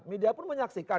media pun menyaksikan